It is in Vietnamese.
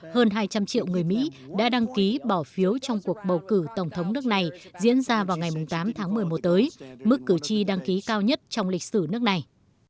hơn hai trăm linh triệu người mỹ đã đăng ký bỏ phiếu trong cuộc bầu cử tổng thống nước này diễn ra vào ngày tám tháng một mươi một tới mức cử tri đăng ký cao nhất trong lịch sử nước này